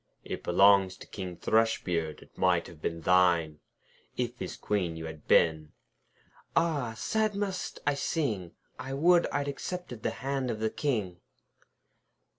'It belongs to King Thrushbeard. It might have been thine, If his Queen you had been.' 'Ah! sad must I sing! I would I'd accepted the hand of the King.'